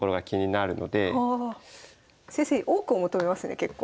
多くを求めますね結構。